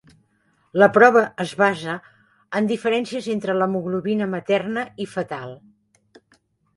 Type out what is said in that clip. La prova es basa en diferències entre l'hemoglobina materna i fetal.